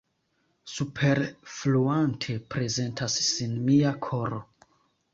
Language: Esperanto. Superfluante prezentas sin mia koro.